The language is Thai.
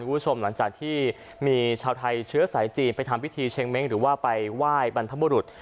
คุณผู้ชมหลังจากที่มีชาวไทยเชื้อสายจีนไปทำพิธีเชงเม้งหรือว่าไปไหว้บรรพบุรุษ